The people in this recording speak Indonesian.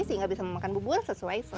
sehingga bisa memakan bubur sesuai